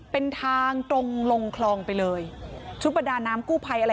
เป็นทางตรงลงคลองไปเลยชุดประดาน้ำกู้ภัยอะไร